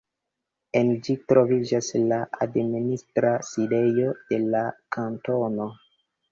En ĝi troviĝas la administra sidejo de la kantono.